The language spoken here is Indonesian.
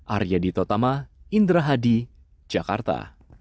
arya ditotama indra hadi jakarta